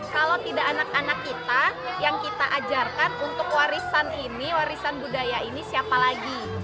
kalau tidak anak anak kita yang kita ajarkan untuk warisan ini warisan budaya ini siapa lagi